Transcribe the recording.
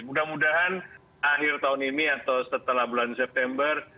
mudah mudahan akhir tahun ini atau setelah bulan september